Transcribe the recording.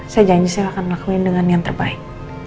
saya janji saya akan lakuin dengan yang terbaik